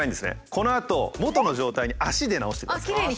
このあと元の状態に足で直してください。